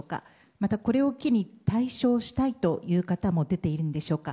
また、これを機に退所をしたいという方も出ているんでしょうか。